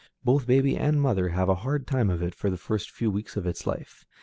Both baby and mother have a hard time of it for the first few weeks of its life.